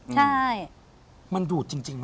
ใช่มันดูดจริงนะ